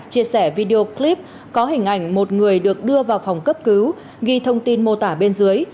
chia sẻ video clip có hình ảnh một người được đưa vào phòng cấp cứu ghi thông tin mô tả bên dưới